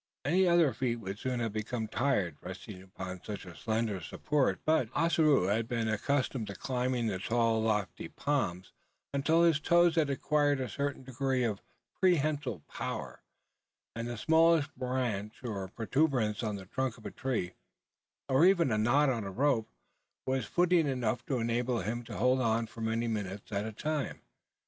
Any other feet would soon have become tired resting upon such a slender support; but Ossaroo had been accustomed to climbing the tall lofty palms, until his toes had acquired a certain degree of prehensile power; and the smallest branch or protuberance on the trunk of a tree, or even a knot on a rope, was footing enough to enable him to hold on for many minutes at a time.